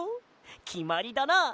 きまりだな！